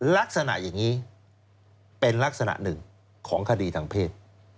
ลักษณะอย่างนี้เป็นลักษณะหนึ่งของคดีทางเพศ